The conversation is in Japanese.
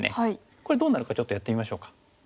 これどうなるかちょっとやってみましょうか。